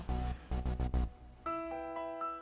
gak ada dalam kamus gue harus nyerah